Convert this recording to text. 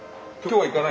はい。